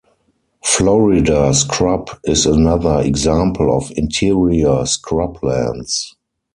Florida scrub is another example of interior scrublands.